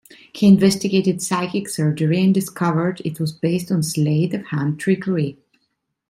He investigated psychic surgery and discovered it was based on sleight of hand trickery.